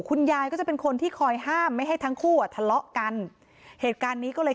คุณยายก็จะเป็นคนที่คอยห้ามไม่ให้ทั้งคู่อ่ะทะเลาะกันเหตุการณ์นี้ก็เลย